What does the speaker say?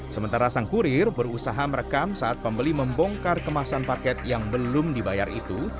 sementara sang kurir berusaha merekam saat pembeli membongkar kemasan paket yang belum dibayar itu